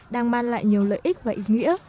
đang mang lại nhiều lợi ích và ý nghĩa